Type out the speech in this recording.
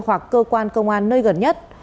hoặc cơ quan công an nơi gần nhất